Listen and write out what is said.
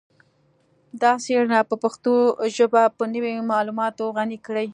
دا څیړنه به پښتو ژبه په نوي معلوماتو غني کړي